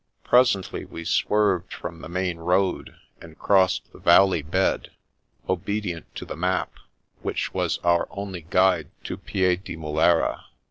Pres ently we swerved from the main road, and crossed the valley bed, obedient to the map, which was our only guide to Piedimulera.